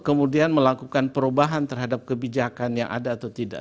kemudian melakukan perubahan terhadap kebijakan yang ada atau tidak